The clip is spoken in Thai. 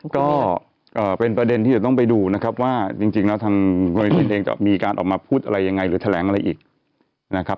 ก็เป็นประเด็นที่จะต้องไปดูนะครับว่าจริงแล้วทางโรดินเองจะมีการออกมาพูดอะไรยังไงหรือแถลงอะไรอีกนะครับ